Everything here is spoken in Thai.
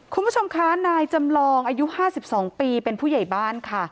คุณผู้ชมคะนายจำลองอายุ๕๒ปีเป็นผู้ใหญ่บ้านค่ะ